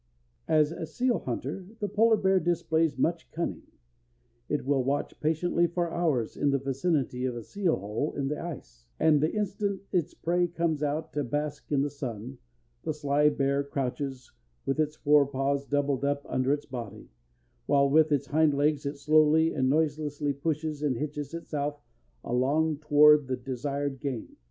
As seal hunter the polar bear displays much cunning. It will watch patiently for hours in the vicinity of a seal hole in the ice, and the instant its prey comes out to bask in the sun, the sly bear crouches, with its fore paws doubled up under its body, while with its hind legs it slowly and noiselessly pushes and hitches itself along toward the desired game.